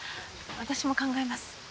私も考えます。